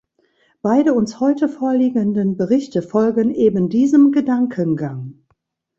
Beide uns heute vorliegenden Berichte folgen ebendiesem Gedankengang.